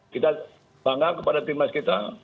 kita bangga kepada timnas kita